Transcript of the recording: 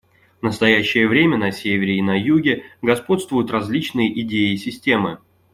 В настоящее время на Севере и на Юге господствуют различные идеи и системы.